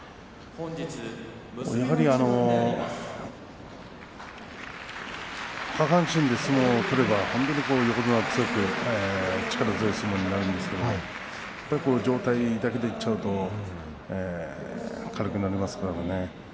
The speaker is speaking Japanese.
やはり下半身で相撲を取れば横綱は力強い相撲になるんですが上体だけでいってしまうと軽くなりますからね。